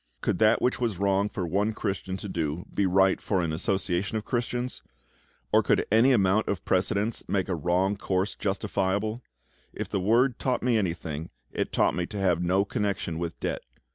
Could that which was wrong for one Christian to do be right for an association of Christians? Or could any amount of precedents make a wrong course justifiable? If the Word taught me anything, it taught me to have no connection with debt.